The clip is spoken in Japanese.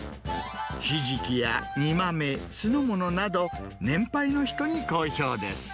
ヒジキや煮豆、酢の物など、年配の人に好評です。